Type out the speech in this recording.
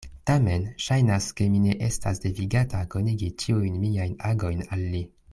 Tamen ŝajnas, ke mi ne estas devigata konigi ĉiujn miajn agojn al li.